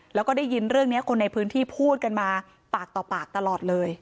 แล้วก็ได้ยินเรื่องนี้คนในพื้นที่พูดกันมาปากต่อปากตลอดเลย